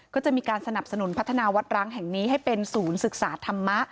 ก็จะมีการสนับสนุนพัฒนาวัดร้างแห่งนี้ให้เป็นศูนย์ศึกษาธรรมะ